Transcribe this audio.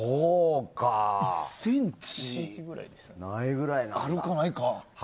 １ｃｍあるかないか。